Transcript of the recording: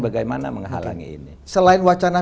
bagaimana menghalangi ini selain wacana